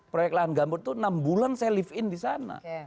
proyek lahan gambut itu enam bulan saya live in di sana